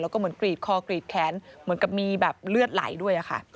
แล้วก็เหมือนกรีดคอกรีดแขนเหมือนกับมีแบบเลือดไหลด้วยค่ะ